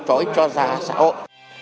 cho ích cho gia xã hội